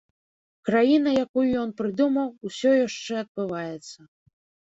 Краіна, якую ён прыдумаў, усё яшчэ адбываецца.